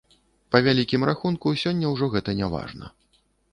Па вялікім рахунку, сёння ўжо гэта няважна.